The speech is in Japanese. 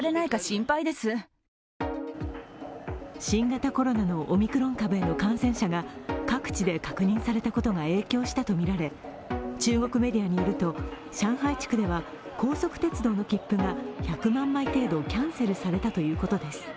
新型コロナのオミクロン株への感染者が各地で確認されたことが影響したとみられ中国メディアによると上海地区では高速鉄道の切符が１００万枚程度キャンセルされたということです。